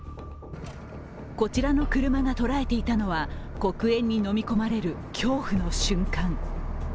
こちらの車が捉えていたのは黒煙にのみ込まれる恐怖の瞬間。